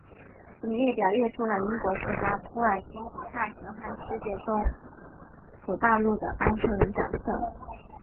本列表列出了英国作家托尔金笔下奇幻世界中土大陆里的半兽人角色。